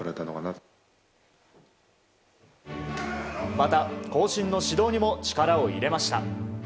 また、後進の指導にも力を入れました。